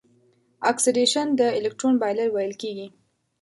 اکسیدیشن د الکترون بایلل ویل کیږي.